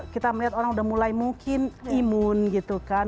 kita melihat orang udah mulai mungkin imun gitu kan